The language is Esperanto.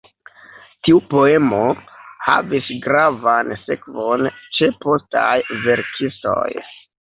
Tiu poemo havis gravan sekvon ĉe postaj verkistoj.